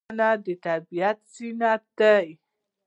ونې د طبیعت زینت دي.